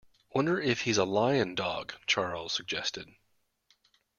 Wonder if he's a lion dog, Charles suggested.